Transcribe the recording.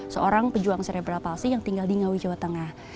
seorang pejuang serebral palsi yang tinggal di ngawi jawa tengah